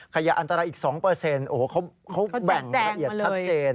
ขยะอันตรายอีก๒โอ้โหเขาแบ่งละเอียดชัดเจน